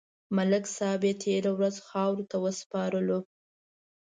ملک صاحب یې تېره ورځ خاورو ته وسپارلو.